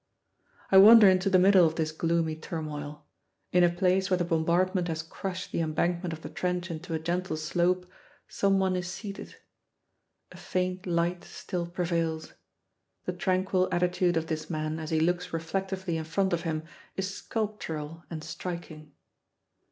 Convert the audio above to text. I wander into the middle of this gloomy turmoil. In a place where the bombardment has crushed the embankment of the trench into a gentle slope, some one is seated. A faint light still prevails. The tranquil attitude of this man as he looks reflectively in front of him is sculptural and striking.